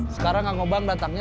sekarang kang obang datangnya